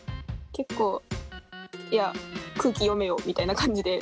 結構いや空気読めよみたいな感じで。